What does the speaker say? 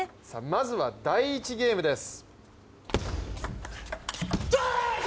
まずは第１ゲームです。